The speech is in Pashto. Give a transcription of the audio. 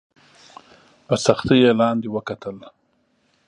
په سختۍ یې لاندي وکتل !